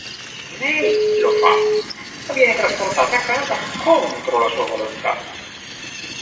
Lei lo fa, ma viene trasportata a casa contro la sua volontà.